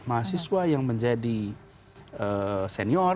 mahasiswa yang menjadi senior